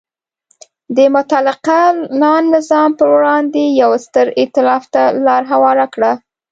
د مطلقه العنان نظام پر وړاندې یو ستر ایتلاف ته لار هواره کړه.